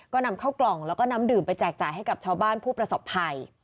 ก็นำเข้ากล่องแล้วก็น้ำดื่มไปแจกจ่ายให้กับชาวบ้านผู้ประสบภัย